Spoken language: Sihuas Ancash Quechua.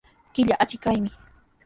Killa achikyanmi.